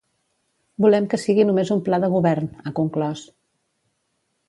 Volem que sigui només un pla de govern, ha conclòs.